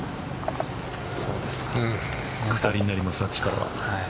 下りになります、あっちからは。